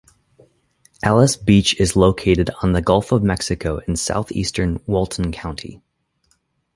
Alys Beach is located on the Gulf of Mexico in southeastern Walton County.